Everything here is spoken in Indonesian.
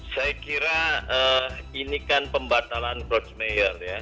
saya kira ini kan pembatalan brojmeyer ya